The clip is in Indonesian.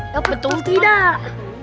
ya betul tidak